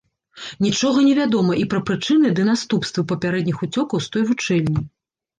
Нічога не вядома і пра прычыны ды наступствы папярэдніх уцёкаў з той вучэльні.